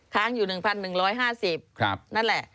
ค้างอยู่๑๑๕๐นั่นแหละ